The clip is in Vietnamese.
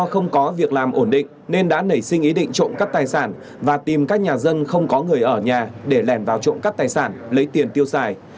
không có việc làm ổn định nên đã nảy sinh ý định trộn cấp tài sản và tìm các nhà dân không có người ở nhà để lèn vào trộn cấp tài sản lấy tiền tiêu xài